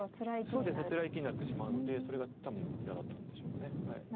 そうですねつらい生きになってしまうのでそれが多分嫌だったんでしょうか。